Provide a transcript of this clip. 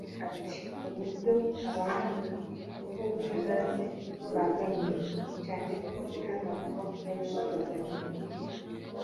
Ati “Uburyo yumva abangamiwemo ni bwo buryo nanjye mbangamiwemo cyane ko itangazamakuru ari we warinzanyemo